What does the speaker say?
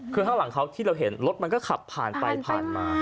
คือข้างหลังเขาที่เราเห็นรถมันก็ขับผ่านไปผ่านมา